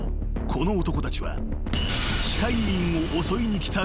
この男たちは］